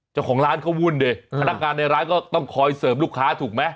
เจ้าของร้านเขาวุ่นดิพนักงานในร้านก็ต้องคอยเสริมลูกค้าถูกไหม